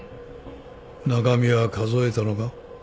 中身は数えたのか？